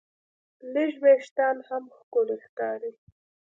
لږ وېښتيان هم ښکلي ښکاري.